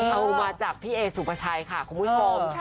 เอามาจากพี่เอสุภาชัยค่ะคุณผู้ชม